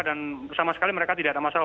dan sama sekali mereka tidak ada masalah